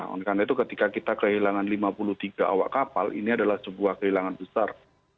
karena itu ketika kita kehilangan lima puluh tiga awak kapal ini adalah sebuah kehilangan besar